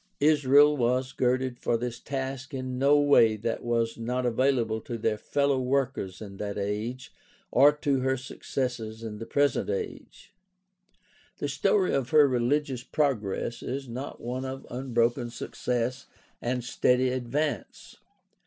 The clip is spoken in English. Israel was girded for this task in no way that was not available to her fellow workers in that age or to her successors in the present age. The story of her religious progress is not one of unbroken success and steady advance.